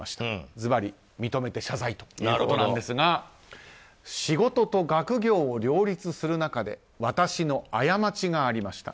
ずばり認めて謝罪ということなんですが仕事と学業を両立する中で私の過ちがありました。